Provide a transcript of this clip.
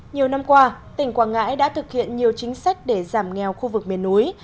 nhiều năm qua tỉnh quảng ngãi đã thực hiện nhiều chính sách để giảm nghèo khu vực miền núi